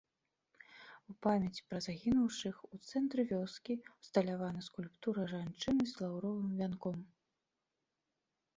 У памяць пра загінуўшых у цэнтры вёскі ўсталявана скульптура жанчыны з лаўровым вянком.